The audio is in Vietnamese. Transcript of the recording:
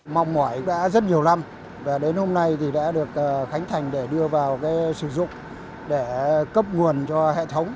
mong mỏi đã rất nhiều năm và đến hôm nay thì đã được khánh thành để đưa vào sử dụng để cấp nguồn cho hệ thống